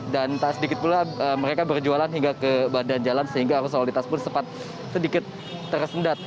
dan sedikit pula mereka berjualan hingga ke badan jalan sehingga arus olitas pun sempat sedikit tersendat